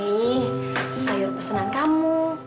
ini sayur pesanan kamu